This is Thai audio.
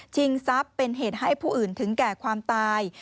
ทรัพย์เป็นเหตุให้ผู้อื่นถึงแก่ความตาย